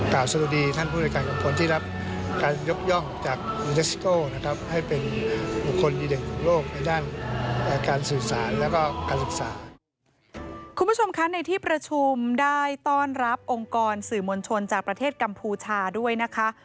คุณผู้ชมคะในที่ประชุมได้ต้อนรับองค์กรสื่อมวลชนจากประเทศกัมพูชาด้วยนะคะ